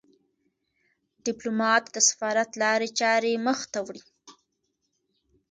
ډيپلومات د سفارت له لارې چارې مخ ته وړي.